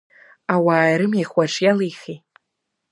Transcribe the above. Ауаа ирымихуа аҽы иалихи?